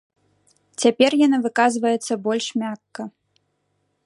Цяпер яна выказваецца больш мякка.